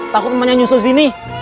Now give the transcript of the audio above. takut menyusul sini